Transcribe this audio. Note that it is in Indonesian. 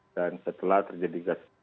dan setelah terjadi gas air mata